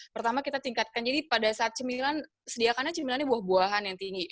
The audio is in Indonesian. pertama kita tingkatkan jadi pada saat cemilan sediakannya cemilannya buah buahan yang tinggi